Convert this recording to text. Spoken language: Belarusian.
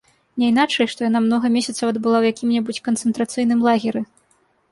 Няйначай, што яна многа месяцаў адбыла ў якім-небудзь канцэнтрацыйным лагеры.